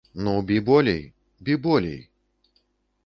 Ну, бі болей, бі болей.